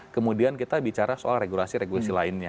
kemudian kita bicara soal regulasi regulasi lainnya